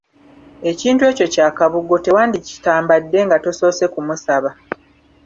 Ekintu ekyo kya Kabugo tewandikitambadde nga tosoose kumusaba.